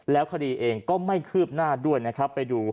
แล้วคดีเองก็ไม่คืบหน้าด้วยนะครับไปดู